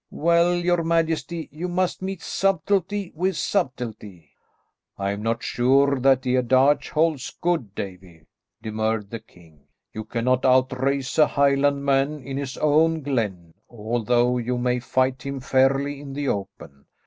"Well, your majesty, you must meet subtilty with subtilty." "I am not sure that the adage holds good, Davie," demurred the king. "You cannot outrace a Highlandman in his own glen, although you may fight him fairly in the open.